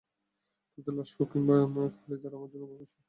তোমার লাশ হোক কিংবা খালিদের আমার জন্য উভয় শোক সমান হবে।